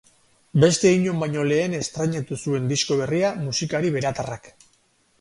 Beste inon baino lehen estreinatu zuen disko berria musikari beratarrak.